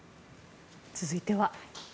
続いては。